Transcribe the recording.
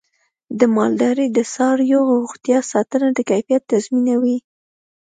د مالدارۍ د څارویو روغتیا ساتنه د کیفیت تضمینوي.